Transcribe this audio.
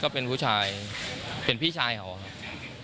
เป็นผู้ชายเป็นพี่ชายเขาครับ